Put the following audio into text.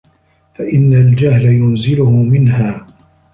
فَإِنَّ الْجَهْلَ يُنْزِلُهُ مِنْهَا